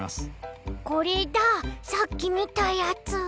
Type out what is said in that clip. これださっきみたやつ。